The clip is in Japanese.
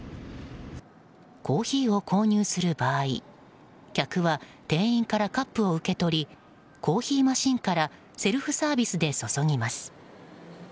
コーヒーを購入する場合客は、店員からカップを受け取りコーヒーマシンからセルフサービスで注ぎます。